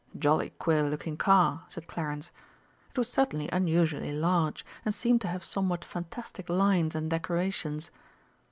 "Jolly queer looking car," said Clarence. It was certainly unusually large, and seemed to have somewhat fantastic lines and decorations.